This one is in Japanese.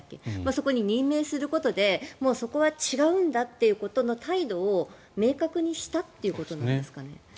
そこに任命することでそこは違うんだということの態度を明確にしたということなんですかね。